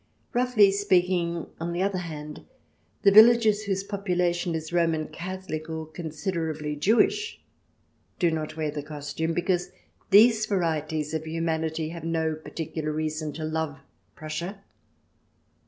Roughly speaking, on the other hand, the villages whose population is Roman Catholic or considerably Jewish do not wear the costume, because these varieties of humanity have no particular reason to love Prussia.